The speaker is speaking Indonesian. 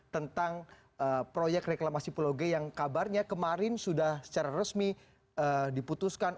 tentang proyek reklamasi pulau g yang kabarnya kemarin sudah secara resmi diputuskan